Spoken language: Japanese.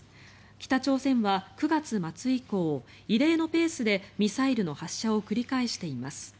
北朝鮮は９月末以降異例のペースでミサイルの発射を繰り返しています。